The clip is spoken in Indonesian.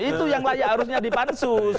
itu yang layak harusnya dipansus